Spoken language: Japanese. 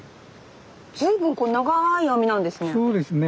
随分こう長い網なんですね。